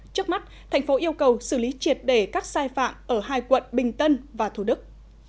trước mắt thành phố yêu cầu xử lý triệt để các sai phạm ở hai quận bình tân và thủ đức